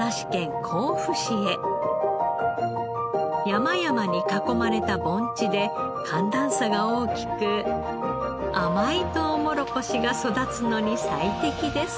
山々に囲まれた盆地で寒暖差が大きく甘いトウモロコシが育つのに最適です。